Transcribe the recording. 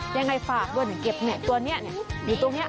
ยังไงฝากด้วยเดี๋ยวเก็บเนี้ยตัวเนี้ยเนี้ยอยู่ตรงเนี้ย